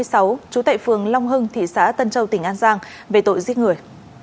trú tại phường long hưng thị xã tân châu tỉnh an giang về tội giết người